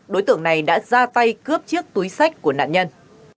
đối tượng này đã ra tay cướp chiếc túi sách của nạn nhân